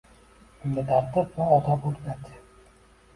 Unga tartib va odob o’rgat!